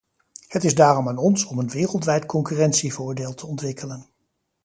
Het is daarom aan ons om een wereldwijd concurrentievoordeel te ontwikkelen.